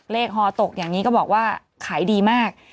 ฮอตกอย่างนี้ก็บอกว่าขายดีมาก